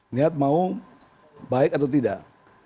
niat mau baik atau tidak